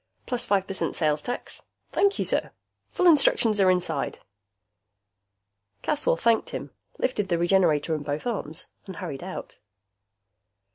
Plus five percent sales tax. Thank you, sir. Full instructions are inside." Caswell thanked him, lifted the Regenerator in both arms and hurried out.